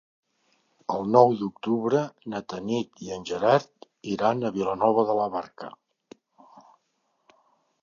El nou d'octubre na Tanit i en Gerard iran a Vilanova de la Barca.